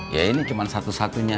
ya ini cuma satu satunya